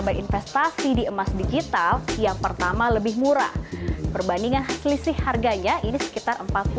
berinvestasi di emas digital yang pertama lebih murah perbandingan selisih harganya ini sekitar